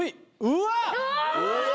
うわ！